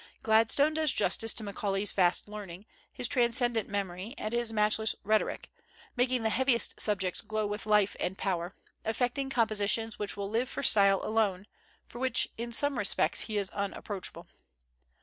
Gladstone does justice to Macaulay's vast learning, his transcendent memory, and his matchless rhetoric, making the heaviest subjects glow with life and power, effecting compositions which will live for style alone, for which in some respects he is unapproachable.